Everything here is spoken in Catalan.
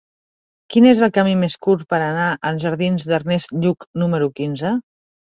Quin és el camí més curt per anar als jardins d'Ernest Lluch número quinze?